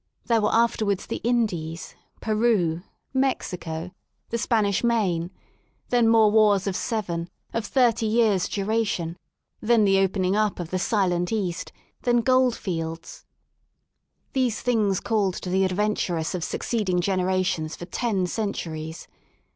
There were afterwards the Indies, Peru, Mexico, the Spanish Main; then more Wars of Seven, of Thirty years' duration^ — then the opening up of the silent East, then goldfields. These things called to the adventurous of succeeding generations for ten centuries.